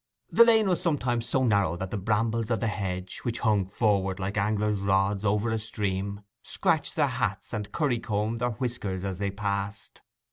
The lane was sometimes so narrow that the brambles of the hedge, which hung forward like anglers' rods over a stream, scratched their hats and curry combed their whiskers as they passed.